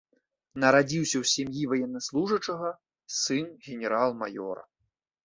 Нарадзіўся ў сям'і ваеннаслужачага, сын генерал-маёра.